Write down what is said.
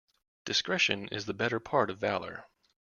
Discretion is the better part of valour.